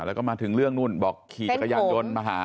แล้วก็มาถึงเรื่องนู่นบอกขี่จักรยานยนต์มาหา